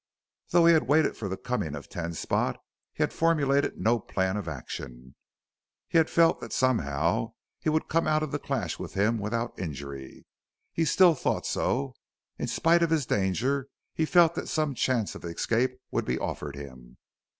Though he had waited for the coming of Ten Spot, he had formulated no plan of action; he had felt that somehow he would come out of the clash with him without injury. He still thought so. In spite of his danger he felt that some chance of escape would be offered him.